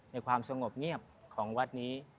ความสงบเงียบของวัดนี้